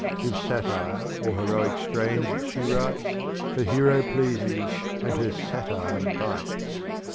If Satire or Heroick Strains she writes, Her Heroe pleases, and her Satire Bites.